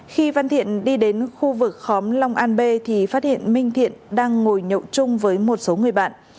khi văn thiện đi đến khu vực khóm long an b thì phát hiện minh thiện đang ngồi nhậu chung với một số người bạn